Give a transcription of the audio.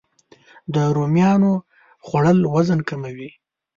د رومیانو خوړل وزن کموي